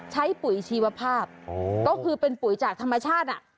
ปุ๋ยชีวภาพก็คือเป็นปุ๋ยจากธรรมชาติ